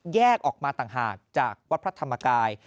แยกออกมาต่างหากจากวัดพระธรรมกาย